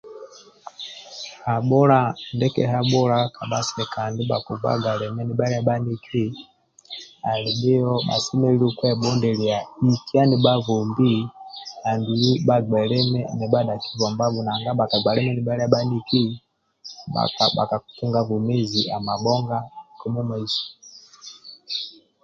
Habhula ndiki habhula kabha sika andi ndibha kighaga limi nibhalia maniki alibhio kwebhidilia ludwa ni bhabhobi adulu bhaghe limi ni bhadhaki bhobabho nanga kabhagwa limi nibhalia maniki abha kituga bwomezi amabhoga kamumaiso